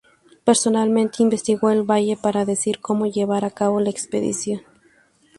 Personalmente, investigó el valle para decidir cómo llevar a cabo la expedición.